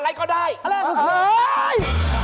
อะไรก็ได้เฮ่ย